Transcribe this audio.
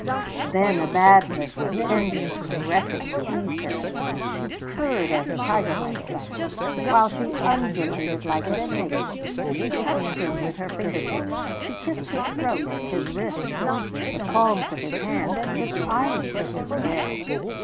Then a madness of tender caressing seized her. She purred as a tiger might have done, while she undulated like a snake. She touched him with her finger tips, she kissed his throat, his wrists, the palms of his hands, his eyelids, his hair.